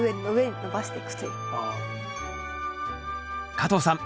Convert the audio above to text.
加藤さん